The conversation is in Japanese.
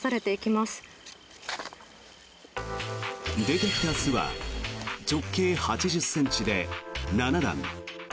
出てきた巣は直径８０ｃｍで７段。